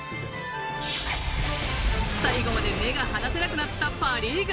最後まで目が離せなくなったパ・リーグ。